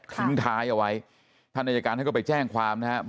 ทิ้งท้ายเอาไว้ท่านอายการท่านก็ไปแจ้งความนะครับ